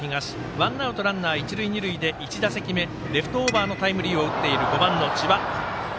ワンアウト、ランナー、一塁二塁１打席目、レフトオーバーのタイムリーを打っている５番の千葉。